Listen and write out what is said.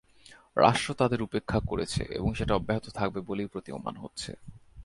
রাষ্ট্র তাদের উপেক্ষা করেছে এবং সেটা অব্যাহত থাকবে বলেই প্রতীয়মান হচ্ছে।